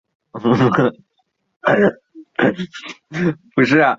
至于台北市政府也召开记者会表示民主进步党立法委员谢欣霓说法皆不符事实。